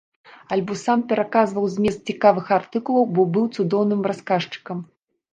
Альбо сам пераказваў змест цікавых артыкулаў, бо быў цудоўным расказчыкам.